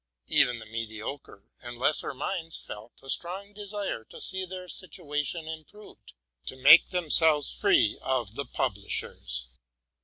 Even the mediocre and lesser minds felt a strong desire to see their situation improved, —to make themselves free of the pub lishers.